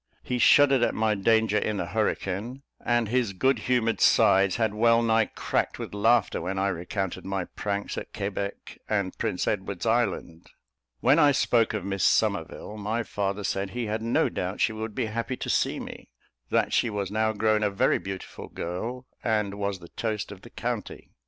He shuddered at my danger in the hurricane, and his good humoured sides had well nigh cracked with laughter when I recounted my pranks at Quebec and Prince Edward's Island. When I spoke of Miss Somerville, my father said he had no doubt she would be happy to see me that she was now grown a very beautiful girl, and was the toast of the county.